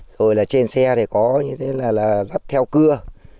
rồi là trên xe thì có như thế là dắt theo cưa